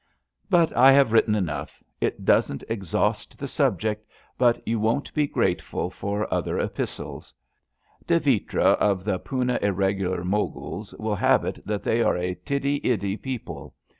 But I have written enough. It doesn't exhaust the subject; but you won't be grateful for other 212 ABAFT THE FUNNEL epistles. De Vitre of the Poona Irregular Moguls will have it that they are a tiddy iddy people.